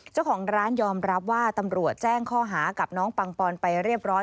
เจ้าของร้านยอมรับว่าตำรวจแจ้งข้อหากับน้องปังปอนไปเรียบร้อย